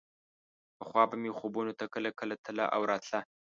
پخوا به مې خوبونو ته کله کله تله او راتله.